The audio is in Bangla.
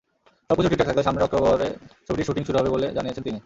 সবকিছু ঠিকঠাক থাকলে সামনের অক্টোবরে ছবিটির শুটিং শুরু হবে বলেই জানিয়েছেন তিনি।